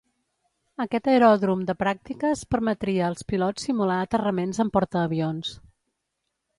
Aquest aeròdrom de pràctiques permetria als pilots simular aterraments en portaavions.